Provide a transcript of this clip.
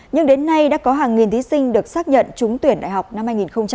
nhưng đến nay đã có hàng nghìn thí sinh được xác nhận trúng tuyển đại học năm hai nghìn hai mươi